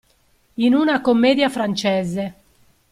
In una commedia francese.